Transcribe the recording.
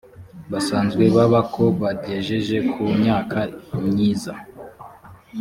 basanzwe baba ko bagejeje ku myaka myiza